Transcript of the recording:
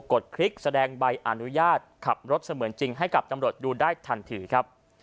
ดคลิกแสดงใบอนุญาตขับรถเสมือนจริงให้กับตำรวจดูได้ทันทีครับ